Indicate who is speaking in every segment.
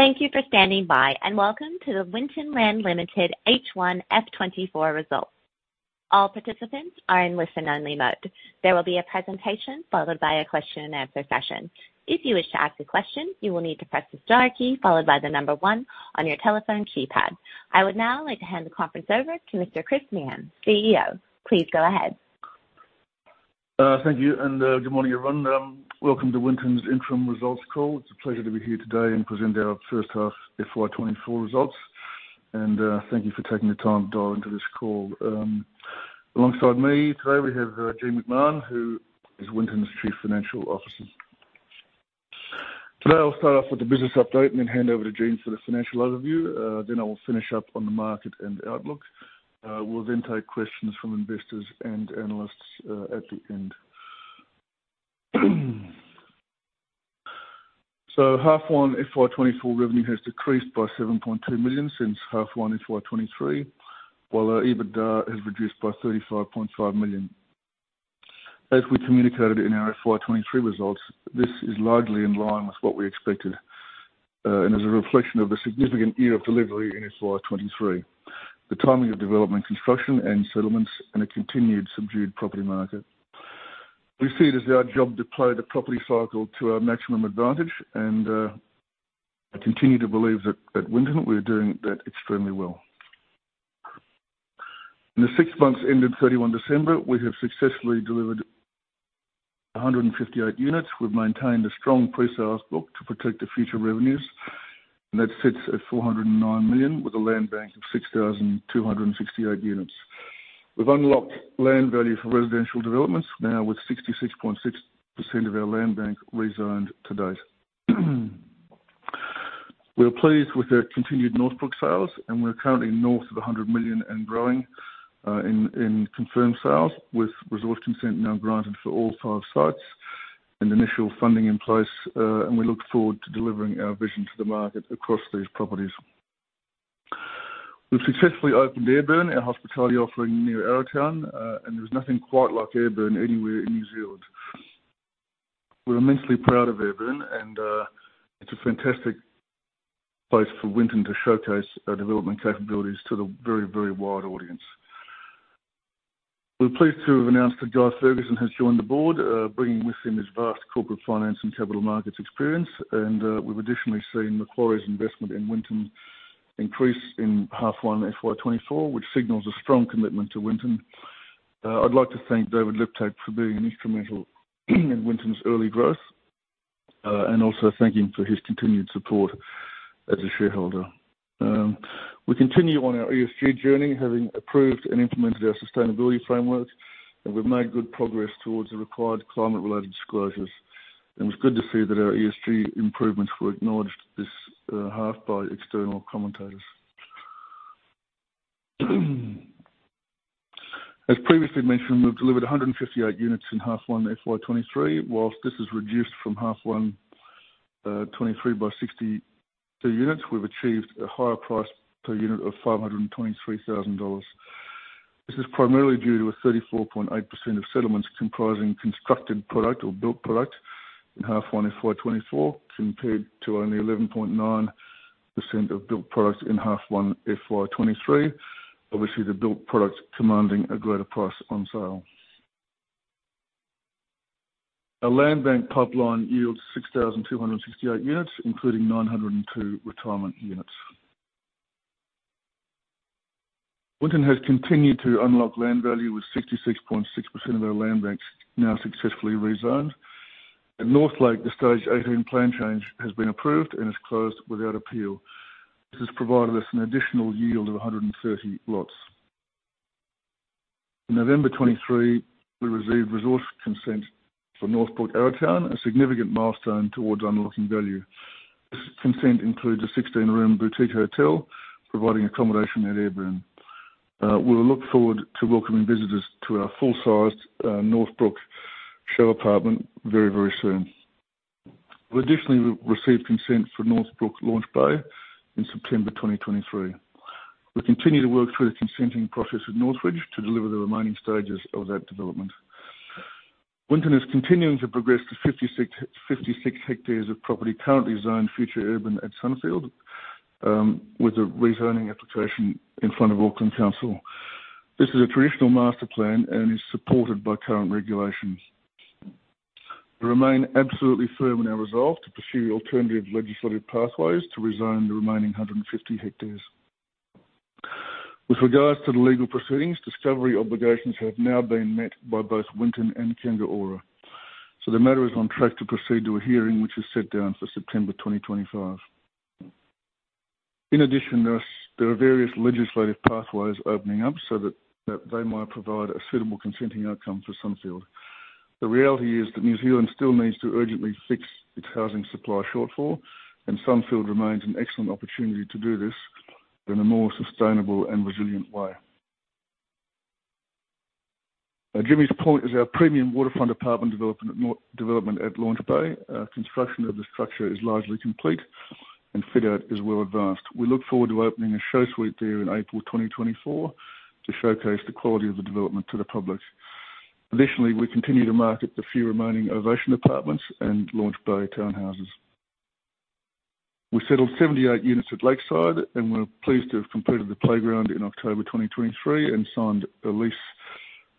Speaker 1: Thank you for standing by, welcome to the Winton Land Limited H1FY 2024 results. All participants are in listen-only mode. There will be a presentation followed by a question and answer session. If you wish to ask a question, you will need to press the star key followed by the number one on your telephone keypad. I would now like to hand the conference over to Mr. Chris Meehan, CEO. Please go ahead.
Speaker 2: Thank you, and good morning, everyone. Welcome to Winton's Interim Results Call. It's a pleasure to be here today and present our first half FY 2024 results. Thank you for taking the time to dial into this call. Alongside me today, we have Jean McMahon, who is Winton's Chief Financial Officer. Today, I'll start off with the business update and then hand over to Jean for the financial overview. I will finish up on the market and outlook. We'll then take questions from investors and analysts at the end. H1 FY 2024 revenue has decreased by 7.2 million since half one FY 2023, while our EBITDA has reduced by 35.5 million. As we communicated in our FY 2023 results, this is largely in line with what we expected and is a reflection of a significant year of delivery in FY 2023, the timing of development construction and settlements in a continued subdued property market. We see it as our job to play the property cycle to our maximum advantage, I continue to believe that at Winton, we are doing that extremely well. In the six months ended 31 December, we have successfully delivered 158 units. We've maintained a strong pre-sale outlook to protect the future revenues, that sits at 409 million with a land bank of 6,268 units. We've unlocked land value for residential developments now with 66.6% of our land bank rezoned to date. We are pleased with our continued Northlake sales, and we are currently north of 100 million and growing in confirmed sales with resource consent now granted for all five sites and initial funding in place, and we look forward to delivering our vision to the market across these properties. We've successfully opened Ayrburn, our hospitality offering near Arrowtown, and there's nothing quite like Ayrburn anywhere in New Zealand. We're immensely proud of Ayrburn, and it's a fantastic place for Winton to showcase our development capabilities to the very wide audience. We're pleased to have announced that Guy Fergusson has joined the board, bringing with him his vast corporate finance and capital markets experience. We've additionally seen Macquarie's investment in Winton increase in half one FY 2024, which signals a strong commitment to Winton. I'd like to thank David Liptak for being instrumental in Winton's early growth, also thank him for his continued support as a shareholder. We continue on our ESG journey, having approved and implemented our sustainability framework, we've made good progress towards the required climate-related disclosures. It was good to see that our ESG improvements were acknowledged this half by external commentators. As previously mentioned, we've delivered 158 units in half one FY 2023. Whilst this is reduced from half one FY 2023 by 62 units, we've achieved a higher price per unit of 523,000 dollars. This is primarily due to a 34.8% of settlements comprising constructed product or built product in half one FY 2024 compared to only 11.9% of built products in half one FY 2023. Obviously, the built product's commanding a greater price on sale. Our land bank pipeline yields 6,268 units, including 902 retirement units. Winton has continued to unlock land value, with 66.6% of our land banks now successfully rezoned. At Northlake, the Stage 18 plan change has been approved and is closed without appeal. This has provided us an additional yield of 130 lots. In November 2023, we received resource consent for Northbrook Arrowtown, a significant milestone towards unlocking value. This consent includes a 16-room boutique hotel providing accommodation at Ayrburn. We'll look forward to welcoming visitors to our full-sized Northbrook show apartment very soon. We additionally received consent for Northbrook Launch Bay in September 2023. We continue to work through the consenting process with Northlake to deliver the remaining stages of that development. Winton is continuing to progress to 56 hectares of property currently zoned Future Urban at Sunfield with a rezoning application in front of Auckland Council. This is a traditional master plan and is supported by current regulations. We remain absolutely firm in our resolve to pursue alternative legislative pathways to rezone the remaining 150 hectares. With regards to the legal proceedings, discovery obligations have now been met by both Winton and Kāinga Ora. The matter is on track to proceed to a hearing which is set down for September 2025. In addition, there are various legislative pathways opening up so that they might provide a suitable consenting outcome for Sunfield. The reality is that New Zealand still needs to urgently fix its housing supply shortfall, and Sunfield remains an excellent opportunity to do this in a more sustainable and resilient way. Jimmy's Point is our premium waterfront apartment development at Launch Bay. Construction of the structure is largely complete and fit-out is well advanced. We look forward to opening a show suite there in April 2024 to showcase the quality of the development to the public. Additionally, we continue to market the few remaining Ovation apartments and Launchpad townhouses. We settled 78 units at Lakeside, and we're pleased to have completed the playground in October 2023 and signed a lease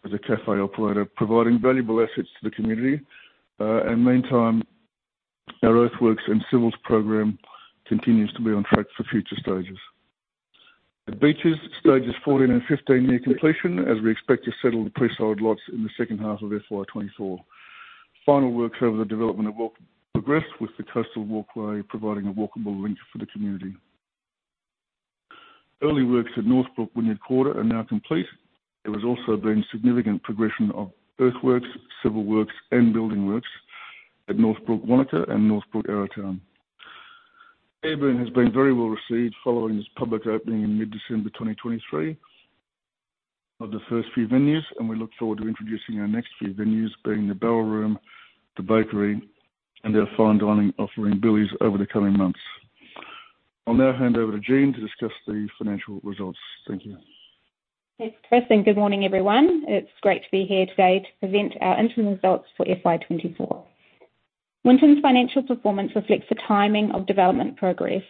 Speaker 2: with a cafe operator, providing valuable assets to the community. In the meantime, our earthworks and civils program continues to be on track for future stages. At Beaches, stages 14 and 15 near completion, as we expect to settle the pre-sold lots in the second half of FY 2024. Final works over the development have progressed, with the coastal walkway providing a walkable link for the community. Early works at Northbrook Vineyard Quarter are now complete. There has also been significant progression of earthworks, civil works, and building works at Northlake Wanaka and Northbrook Arrowtown. Ayrburn has been very well-received following its public opening in mid-December 2023 of the first few venues. We look forward to introducing our next few venues, being the barrel room, the bakery, and our fine dining offering, Billy's, over the coming months. I'll now hand over to Jean to discuss the financial results. Thank you.
Speaker 3: Thanks, Chris, and good morning, everyone. It's great to be here today to present our interim results for FY 2024. Winton's financial performance reflects the timing of development progress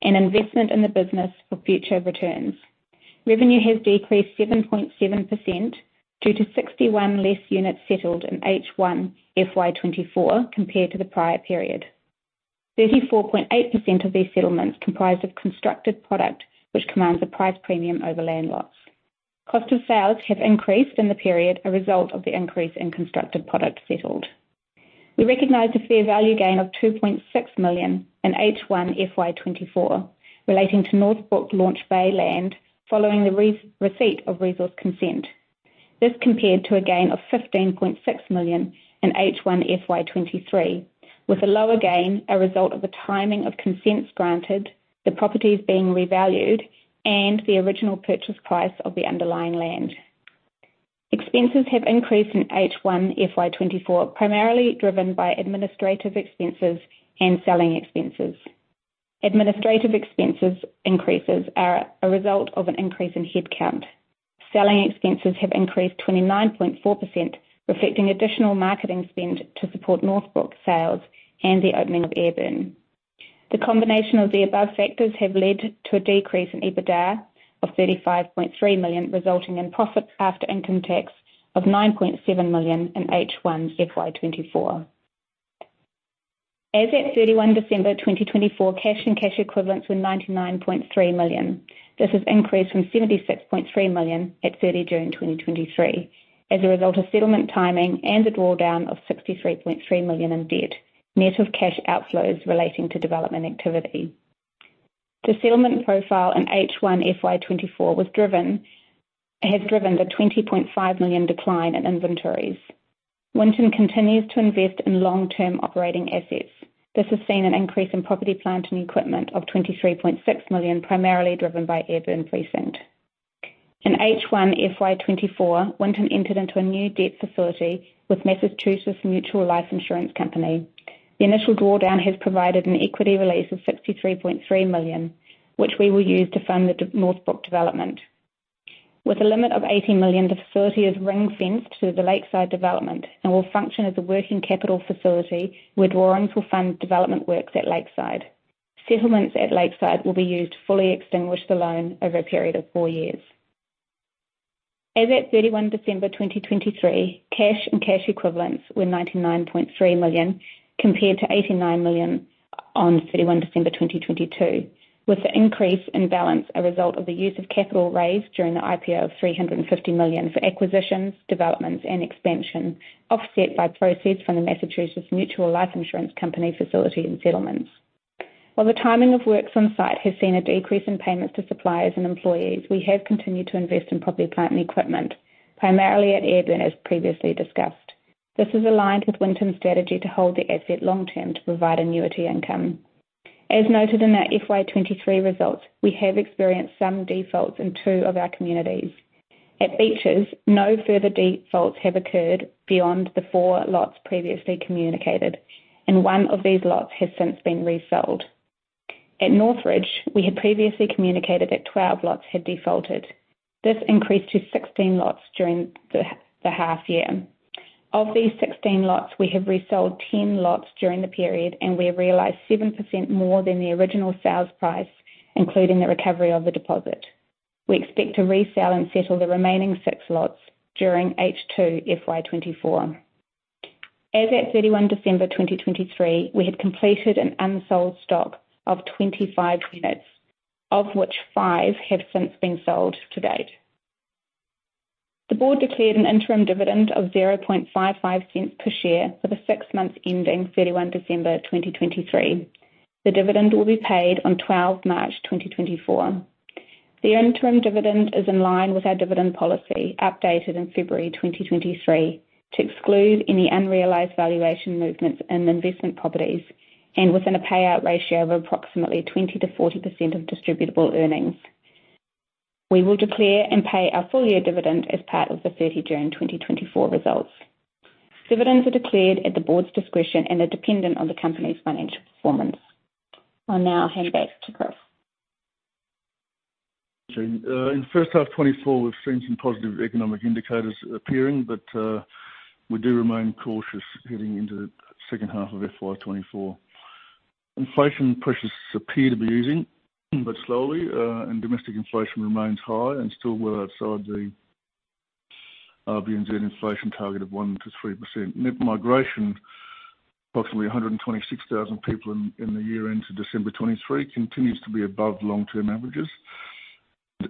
Speaker 3: and investment in the business for future returns. Revenue has decreased 7.7% due to 61 less units settled in H1 FY 2024 compared to the prior period. 34.8% of these settlements comprise of constructed product, which commands a price premium over land lots. Cost of sales have increased in the period, a result of the increase in constructed product settled. We recognized a fair value gain of 2.6 million in H1 FY 2024 relating to Northbrook Launch Bay land following the receipt of resource consent. This compared to a gain of 15.6 million in H1 FY 2023, with a lower gain a result of the timing of consents granted, the properties being revalued, and the original purchase price of the underlying land. Expenses have increased in H1 FY 2024, primarily driven by administrative expenses and selling expenses. Administrative expenses increases are a result of an increase in headcount. Selling expenses have increased 29.4%, reflecting additional marketing spend to support Northbrook sales and the opening of Ayrburn. The combination of the above factors have led to a decrease in EBITDA of 35.3 million, resulting in profit after income tax of 9.7 million in H1 FY 2024. As at 31 December 2023, cash and cash equivalents were 99.3 million. This has increased from 76.3 million at 30 June 2023 as a result of settlement timing and the drawdown of 63.3 million in debt, net of cash outflows relating to development activity. The settlement profile in H1 FY 2024 has driven the 20.5 million decline in inventories. Winton continues to invest in long-term operating assets. This has seen an increase in property, plant, and equipment of 23.6 million, primarily driven by Ayrburn precinct. In H1 FY2024, Winton entered into a new debt facility with Massachusetts Mutual Life Insurance Company. The initial drawdown has provided an equity release of 63.3 million, which we will use to fund the Northlake development. With a limit of 80 million, the facility is ring-fenced to the Lakeside development and will function as a working capital facility where drawings will fund development works at Lakeside. Settlements at Lakeside will be used to fully extinguish the loan over a period of four years. As at 31 December 2023, cash and cash equivalents were 99.3 million, compared to 89 million on 31 December 2022, with the increase in balance a result of the use of capital raised during the IPO of 350 million for acquisitions, developments, and expansion, offset by proceeds from the Massachusetts Mutual Life Insurance Company facility and settlements. While the timing of works on site has seen a decrease in payments to suppliers and employees, we have continued to invest in property, plant, and equipment, primarily at Ayrburn, as previously discussed. This is aligned with Winton's strategy to hold the asset long term to provide annuity income. As noted in our FY 2023 results, we have experienced some defaults in two of our communities. At Beaches, no further defaults have occurred beyond the four lots previously communicated, and one of these lots has since been resold. At Northridge, we had previously communicated that 12 lots had defaulted. This increased to 16 lots during the half year. Of these 16 lots, we have resold 10 lots during the period, and we realized 7% more than the original sales price, including the recovery of the deposit. We expect to resell and settle the remaining six lots during H2 FY 2024. As at 31 December 2023, we had completed an unsold stock of 25 units, of which five have since been sold to date. The board declared an interim dividend of 0.0055 per share for the six months ending 31 December 2023. The dividend will be paid on 12 March 2024. The interim dividend is in line with our dividend policy, updated in February 2023 to exclude any unrealized valuation movements in investment properties and within a payout ratio of approximately 20%-40% of distributable earnings. We will declare and pay our full-year dividend as part of the 30 June 2024 results. Dividends are declared at the board's discretion and are dependent on the company's financial performance. I'll now hand back to Chris.
Speaker 2: Jean. In the first half 2024, we've seen some positive economic indicators appearing, but we do remain cautious heading into the second half of FY 2024. Inflation pressures appear to be easing, but slowly, and domestic inflation remains high and still well outside the RBNZ inflation target of 1%-3%. Net migration, approximately 126,000 people in the year end to December 2023, continues to be above long-term averages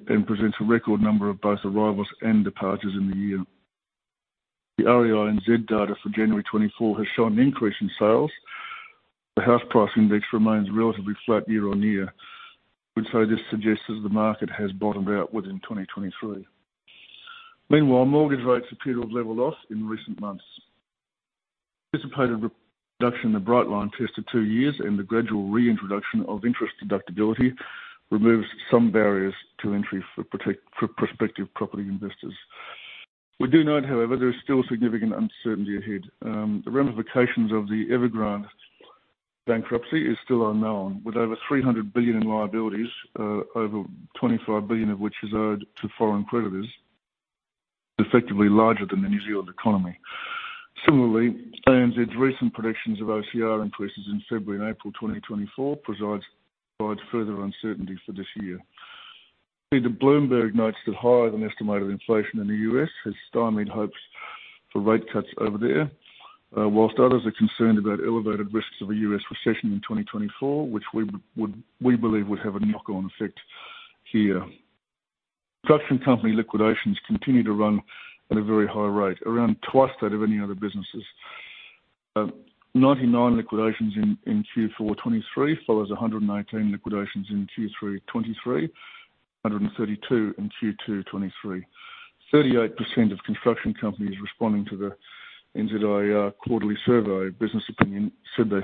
Speaker 2: and presents a record number of both arrivals and departures in the year. The REINZ data for January 2024 has shown an increase in sales. The house price index remains relatively flat year-over-year. We'd say this suggests that the market has bottomed out within 2023. Meanwhile, mortgage rates appear to have level off in recent months. Anticipated reduction in the Bright-line test to two years and the gradual reintroduction of interest deductibility removes some barriers to entry for prospective property investors. We do note, however, there is still significant uncertainty ahead. The ramifications of the Evergrande bankruptcy is still unknown, with over 300 billion in liabilities, over 25 billion of which is owed to foreign creditors, effectively larger than the New Zealand economy. Similarly, ANZ's recent predictions of OCR increases in February and April 2024 provides further uncertainty for this year. Bloomberg notes that higher than estimated inflation in the U.S. has stymied hopes for rate cuts over there, whilst others are concerned about elevated risks of a U.S. recession in 2024, which we believe would have a knock-on effect here. Construction company liquidations continue to run at a very high rate, around twice that of any other businesses. 99 liquidations in Q4 2023 follows 119 liquidations in Q3 2023, 132 in Q2 2023. 38% of construction companies responding to the NZIER Quarterly Survey of Business Opinion said they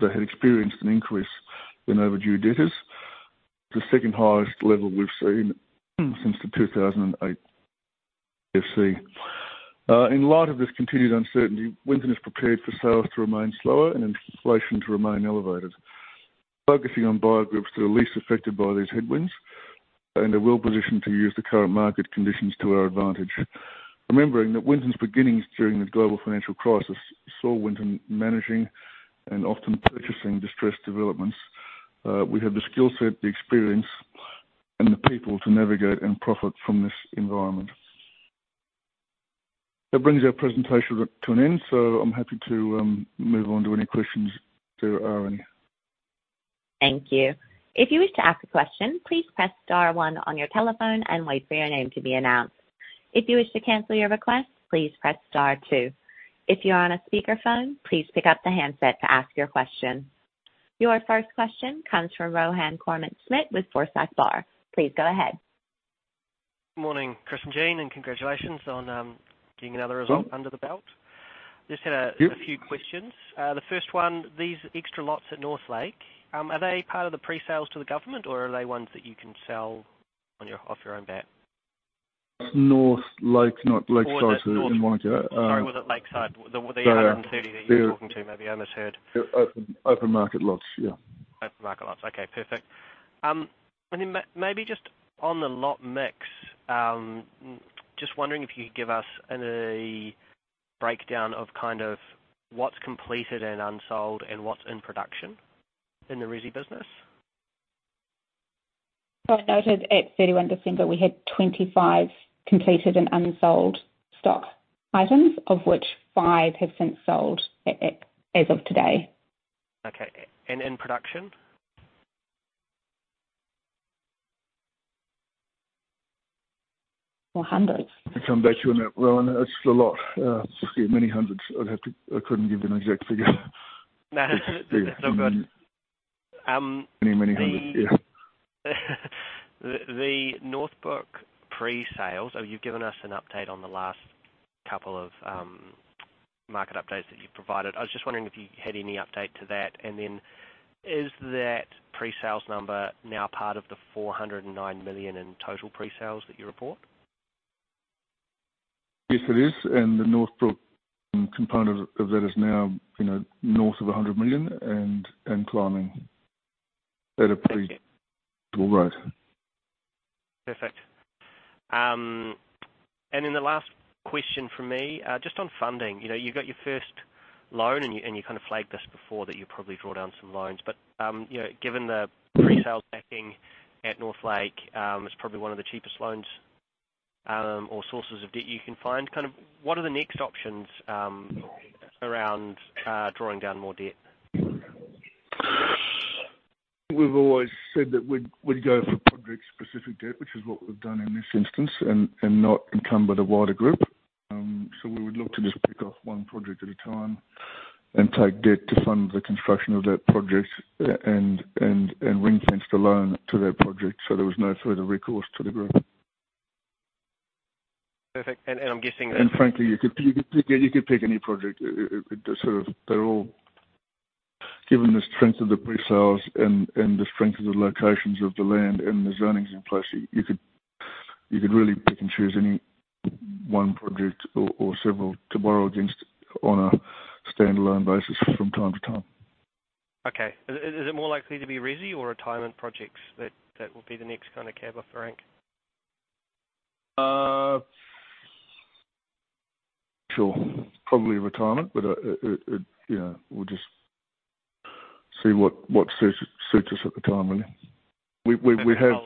Speaker 2: had experienced an increase in overdue debtors, the second highest level we've seen since the 2008 GFC. In light of this continued uncertainty, Winton is prepared for sales to remain slower and inflation to remain elevated. Focusing on buyer groups that are least affected by these headwinds, and are well-positioned to use the current market conditions to our advantage. Remembering that Winton's beginnings during the global financial crisis, saw Winton managing and often purchasing distressed developments. We have the skill set, the experience, and the people to navigate and profit from this environment. That brings our presentation to an end. I'm happy to move on to any questions there are any.
Speaker 1: Thank you. If you wish to ask a question, please press star one on your telephone and wait for your name to be announced. If you wish to cancel your request, please press star two. If you are on a speakerphone, please pick up the handset to ask your question. Your first question comes from Rohan Koreman-Smit with Forsyth Barr. Please go ahead.
Speaker 4: Morning, Chris and Jean. Congratulations on getting another result under the belt.
Speaker 2: Thank you.
Speaker 4: few questions. The first one, these extra lots at Northlake, are they part of the pre-sales to the government, or are they ones that you can sell off your own bat?
Speaker 2: Northlake, not Lakeside in Wellington.
Speaker 4: Sorry, was it Lakeside? The other 130 that you were talking to, maybe I misheard.
Speaker 2: Open market lots. Yeah.
Speaker 4: Open market lots. Okay, perfect. Maybe just on the lot mix, just wondering if you could give us any breakdown of what's completed and unsold, and what's in production in the resi business.
Speaker 3: I noted at 31 December, we had 25 completed and unsold stock items, of which five have since sold as of today.
Speaker 4: Okay. In production?
Speaker 3: Four hundreds.
Speaker 2: To come back to you on that, Rohan. It's a lot. Many hundreds. I couldn't give you an exact figure.
Speaker 4: It's all good.
Speaker 2: Many hundreds. Yeah.
Speaker 4: The Northlake pre-sales, you've given us an update on the last couple of market updates that you've provided. I was just wondering if you had any update to that. Is that pre-sales number now part of the 409 million in total pre-sales that you report?
Speaker 2: Yes, it is. The Northlake component of that is now north of 100 million and climbing at a pretty cool rate.
Speaker 4: Perfect. The last question from me, just on funding. You got your first loan, and you flagged this before that you probably draw down some loans. Given the pre-sales backing at Northlake, it's probably one of the cheapest loans or sources of debt you can find. What are the next options around drawing down more debt?
Speaker 2: We've always said that we'd go for project-specific debt, which is what we've done in this instance, and not encumbered a wider group. We would look to just pick off one project at a time and take debt to fund the construction of that project and ring-fence the loan to that project so there was no further recourse to the group.
Speaker 4: Perfect.
Speaker 2: Frankly, you could pick any project. Given the strength of the pre-sales and the strength of the locations of the land and the zonings in place, you can really pick and choose any one project or several to borrow against on a standalone basis from time to time.
Speaker 4: Okay. Is it more likely to be resi or retirement projects that will be the next kind of cab off the rank?
Speaker 2: Sure. Probably retirement, but we'll just see what suits us at the time, really. We have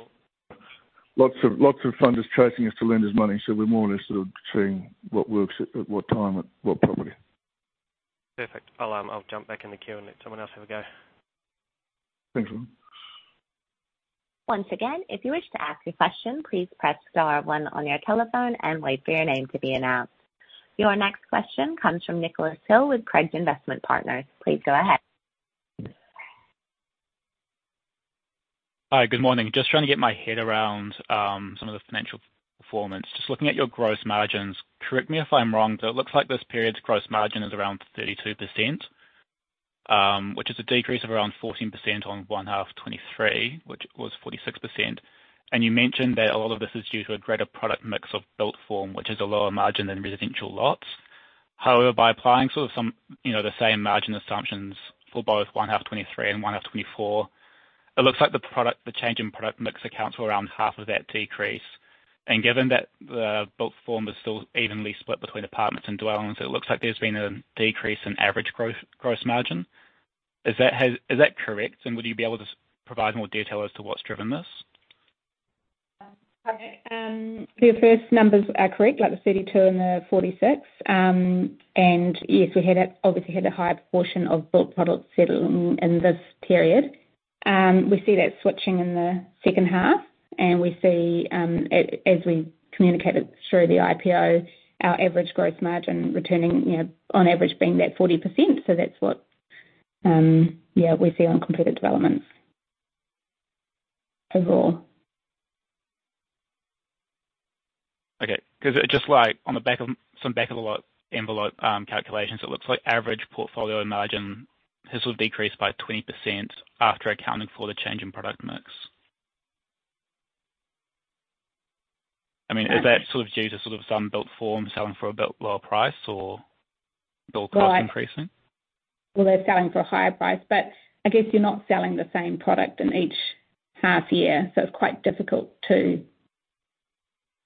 Speaker 2: lots of funders chasing us to lend us money, so we're more or less sort of seeing what works at what time at what property.
Speaker 4: Perfect. I'll jump back in the queue and let someone else have a go.
Speaker 2: Thanks.
Speaker 1: Once again, if you wish to ask a question, please press star one on your telephone and wait for your name to be announced. Your next question comes from Nicholas Hill with Craigs Investment Partners. Please go ahead.
Speaker 5: Hi. Good morning. Just trying to get my head around some of the financial performance. Just looking at your gross margins, correct me if I'm wrong, but it looks like this period's gross margin is around 32%, which is a decrease of around 14% on one half 2023, which was 46%. You mentioned that a lot of this is due to a greater product mix of built form, which is a lower margin than residential lots. However, by applying sort of the same margin assumptions for both one half 2023 and one half 2024, it looks like the change in product mix accounts for around half of that decrease. Given that the built form is still evenly split between apartments and dwellings, it looks like there's been a decrease in average gross margin. Is that correct? Would you be able to provide more detail as to what's driven this?
Speaker 3: Okay. Your first numbers are correct, like the 32 and the 46. Yes, we obviously had a higher proportion of built product settle in this period. We see that switching in the second half, we see, as we communicated through the IPO, our average gross margin returning, on average being that 40%. That's what we see on completed developments overall.
Speaker 5: Okay. Just like on some back of the lot envelope calculations, it looks like average portfolio margin has sort of decreased by 20% after accounting for the change in product mix. I mean, is that sort of due to some built form selling for a bit lower price or built cost increasing?
Speaker 3: They're selling for a higher price, but I guess you're not selling the same product in each half year, so it's quite difficult to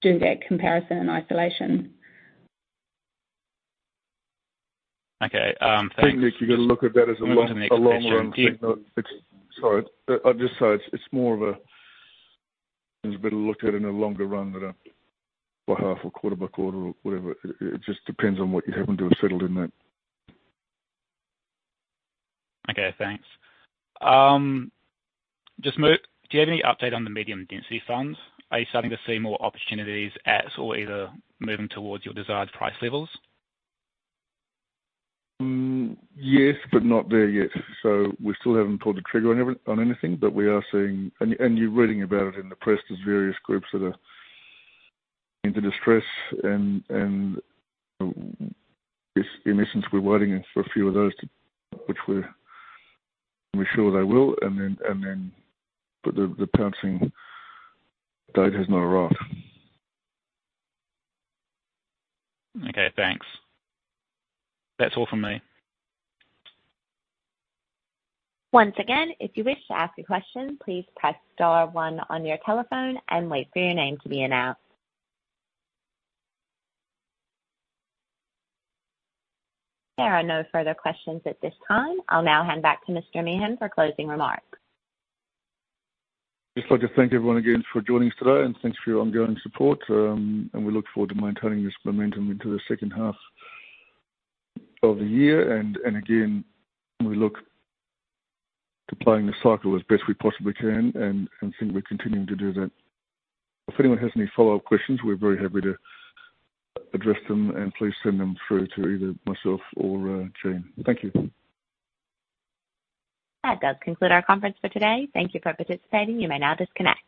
Speaker 3: do that comparison in isolation.
Speaker 5: Okay. Thanks.
Speaker 2: I think, Nick, you got to look at that as a long-
Speaker 5: Move to the next question.
Speaker 2: Sorry. It's more of things better looked at in a longer run than by half or quarter by quarter or whatever. It just depends on what you happen to have settled in that.
Speaker 5: Okay, thanks. Just, do you have any update on the medium density funds? Are you starting to see more opportunities either moving towards your desired price levels?
Speaker 2: Yes, but not there yet. We still haven't pulled the trigger on anything, but we are seeing And you're reading about it in the press, there's various groups that are into distress, and in essence, we're waiting for a few of those to, which we're sure they will, but the pouncing date has not arrived.
Speaker 5: Okay, thanks. That's all from me.
Speaker 1: Once again, if you wish to ask a question, please press star one on your telephone and wait for your name to be announced. There are no further questions at this time. I'll now hand back to Mr. Meehan for closing remarks.
Speaker 2: Just like to thank everyone again for joining us today and thanks for your ongoing support. We look forward to maintaining this momentum into the second half of the year. Again, we look to playing the cycle as best we possibly can and think we're continuing to do that. If anyone has any follow-up questions, we're very happy to address them, and please send them through to either myself or Jean. Thank you.
Speaker 1: That does conclude our conference for today. Thank you for participating. You may now disconnect.